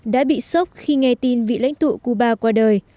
đã bị sốc khi nghe tin vị lãnh tụ cuba qua đời